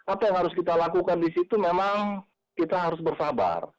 apa yang harus kita lakukan di situ memang kita harus bersabar